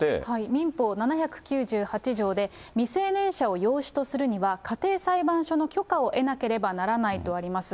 民法７９８条で、未成年者を養子とするには、家庭裁判所の許可を得なければならないとあります。